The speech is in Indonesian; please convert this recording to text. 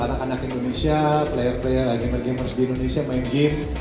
anak anak indonesia player player gamer gamers di indonesia main game